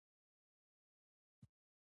د کابل سیند د ځانګړي ډول جغرافیې استازیتوب کوي.